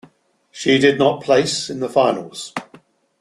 She did not place in the finals.